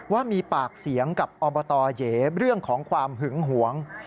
ว่ามีปากเสียงกับอบตเหยเรื่องของความหึงหวง